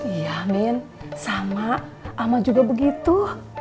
iya min sama amat juga begitu